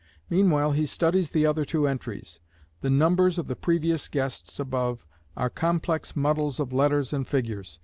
Meanwhile he studies the other two entries. The "numbers" of the previous guests above are complex muddles of letters and figures.